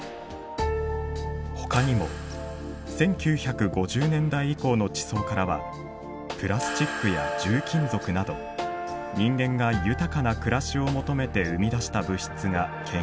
ほかにも１９５０年代以降の地層からはプラスチックや重金属など人間が豊かな暮らしを求めて生み出した物質が検出されています。